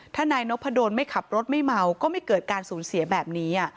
ถ้านายนพดลไม่ขับรถไม่เมาก็ไม่เกิดการสูญเสียแบบนี้